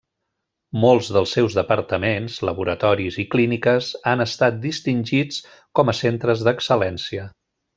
Molts dels seus departaments, laboratoris i clíniques han estat distingits com a Centres d'Excel·lència.